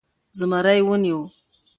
زمری يې و نيوی .